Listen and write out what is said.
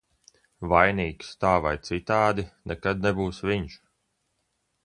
Vainīgs, tā vai citādi, nekad nebūs viņš.